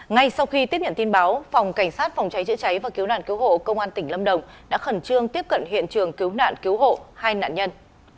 ngay sau khi tiếp nhận tin báo phòng cảnh sát phòng cháy chữa cháy và cứu nạn cứu hộ công an tỉnh lâm đồng đã khẩn trương tiếp cận hiện trường cứu nạn cứu hộ hai nạn nhân